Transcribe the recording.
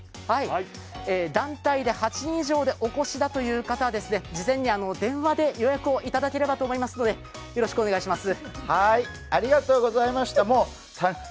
団体で８人以上でお越しという方は事前に電話で予約をいただければと思いますのでよろしくお願いします。